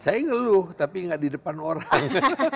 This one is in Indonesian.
saya ngeluh tapi nggak di depan orang